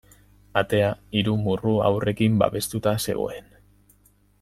Atea hiru murru-aurrekin babestuta zegoen.